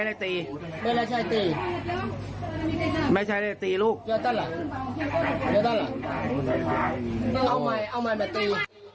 อะไรตีไม่ใช้ตีไม่ใช้อะไรตีลูกเอามาเอามามาตี